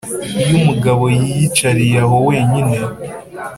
iyo umugabo yiyicariye aho wenyine